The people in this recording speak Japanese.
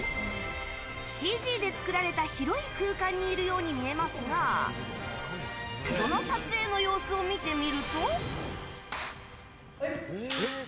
ＣＧで作られた広い空間にいるように見えますがその撮影の様子を見てみると。